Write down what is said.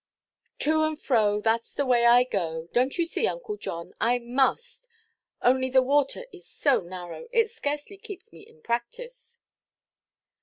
"To and fro, thatʼs the way I go; donʼt you see, Uncle John, I must; only the water is so narrow. It scarcely keeps me in practice."